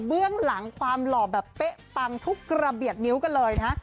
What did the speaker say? เรื่องหลังความหล่อแบบเป๊ะปังทุกกระเบียดนิ้วกันเลยนะ